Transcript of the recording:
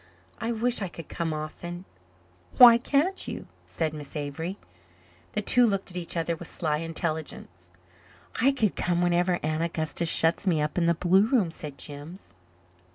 "I wish I could come often." "Why can't you?" said Miss Avery. The two looked at each other with sly intelligence. "I could come whenever Aunt Augusta shuts me up in the blue room," said Jims.